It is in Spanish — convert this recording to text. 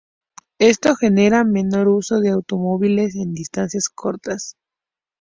Esto genera menor uso de automóviles en distancias cortas.